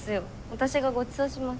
私がごちそうします。